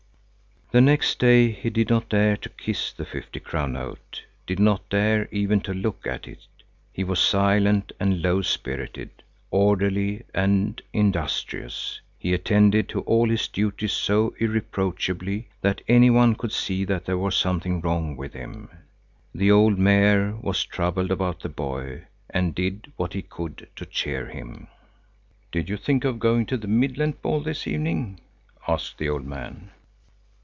The next day he did not dare to kiss the fifty crown note, did not dare even to look at it. He was silent and low spirited, orderly and industrious. He attended to all his duties so irreproachably that any one could see that there was something wrong with him. The old Mayor was troubled about the boy and did what he could to cheer him. "Did you think of going to the Mid Lent ball this evening?" asked the old man.